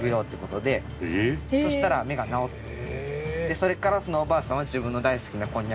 それからそのおばあさんは。